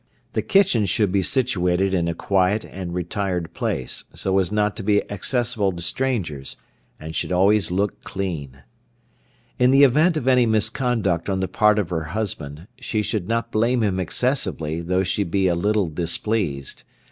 The kitchen should be situated in a quiet and retired place, so as not to be accessible to strangers, and should always look clean. In the event of any misconduct on the part of her husband, she should not blame him excessively though she be a little displeased.